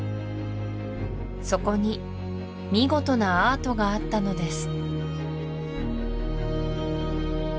そこに見事なアートがあったのです